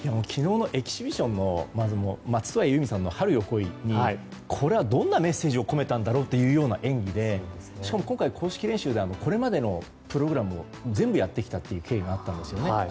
昨日のエキシビションの松任谷由実さんの「春よ、来い」にこれはどんなメッセージを込めたんだろうという演技でしかも公式練習でこれまでのプログラムを全部やってきたという経緯もあったんですよね。